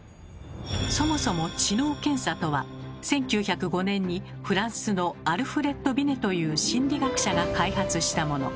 そもそも知能検査とは１９０５年にフランスのアルフレッド・ビネという心理学者が開発したもの。